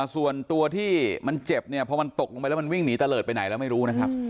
ส่วนตัวที่มันเจ็บเนี่ยพอมันตกลงไปแล้วมันวิ่งหนีตะเลิศไปไหนแล้วไม่รู้นะครับ